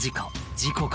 事故か？